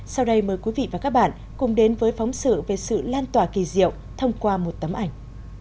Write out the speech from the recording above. sau đây mời quý vị và các bạn cùng đến với phóng sự về sự lan tỏa kỳ diệu thông qua một tấm ảnh